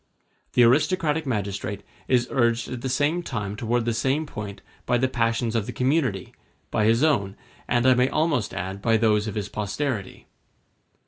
The aristocratic magistrate is urged at the same time toward the same point by the passions of the community, by his own, and I may almost add by those of his posterity.